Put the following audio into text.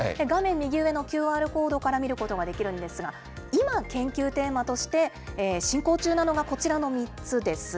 右上のＱＲコードから見ることができるんですが、今、研究テーマとして進行中なのがこちらの３つです。